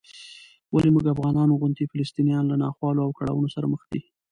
ولې موږ افغانانو غوندې فلسطینیان له ناخوالو او کړاوونو سره مخ دي؟